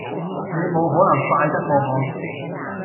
你冇可能快得過我